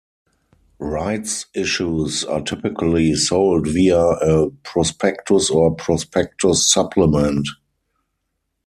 Rights issues are typically sold via a prospectus or prospectus supplement.